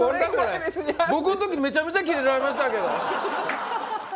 僕の時めちゃめちゃキレられましたけど。